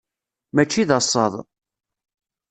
Mačči d asaḍ.